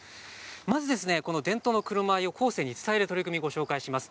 まず伝統の黒米を後世に伝える取り組みをご紹介します。